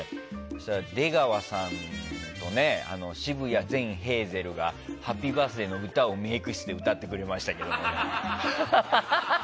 そうしたら出川さんと澁谷善ヘイゼルがハッピーバースデーの歌をメイク室で歌ってくれましたけど。